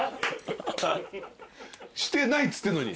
してないっつってんのに？